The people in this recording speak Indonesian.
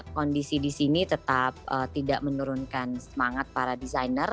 kondisi disini tetap tidak menurunkan semangat para designer